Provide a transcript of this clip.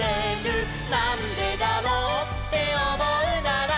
「なんでだろうっておもうなら」